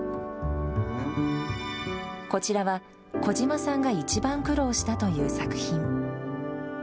こちらは、小島さんが一番苦労したという作品。